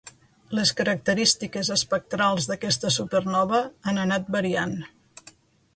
Les característiques espectrals d'aquesta supernova han anat variant.